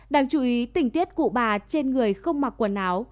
đáng chú ý tỉnh tiết cụ bà trên người không mặc quần áo